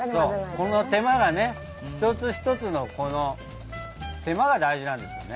この手間がねひとつひとつのこの手間が大事なんですよね。